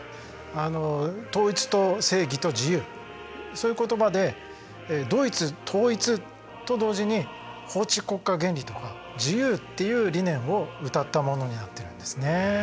統一と正義と自由そういう言葉でドイツ統一と同時に法治国家原理とか自由っていう理念をうたったものになっているんですね。